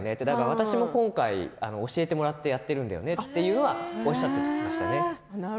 私も今回、教えてもらってやっているんだよね、とおっしゃっていました。